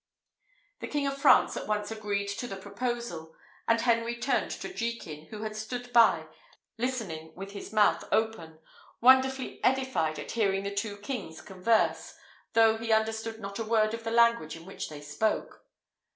The King of France at once agreed to the proposal, and Henry turned to Jekin, who had stood by, listening with his mouth open, wonderfully edified at hearing the two kings converse, though he understood not a word of the language in which they spoke.